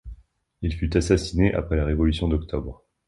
Il fut assassiné après la Révolution d'Octobre.